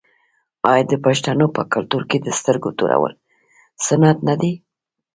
آیا د پښتنو په کلتور کې د سترګو تورول سنت نه دي؟